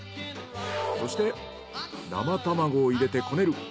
そして生卵を入れてこねる。